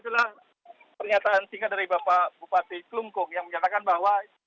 ini adalah pernyataan singkat dari bapak bupati klungkung yang menyatakan bahwa